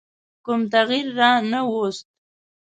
کوم تغییر رانه ووست.